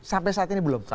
sampai saat ini belum